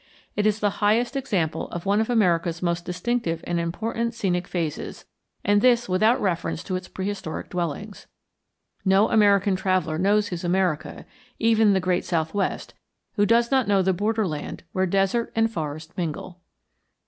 It is the highest example of one of America's most distinctive and important scenic phases, and this without reference to its prehistoric dwellings. No American traveller knows his America, even the great southwest, who does not know the border land where desert and forest mingle.